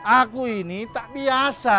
aku ini tak biasa